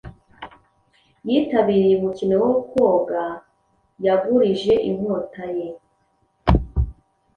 yitabiriye umukino wo koga Yagurije inkota ye